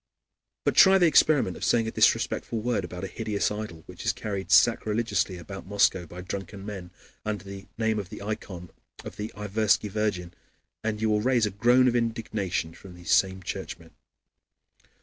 But try the experiment of saying a disrespectful word about a hideous idol which is carried sacrilegiously about Moscow by drunken men under the name of the ikon of the Iversky virgin, and you will raise a groan of indignation from these same Churchmen.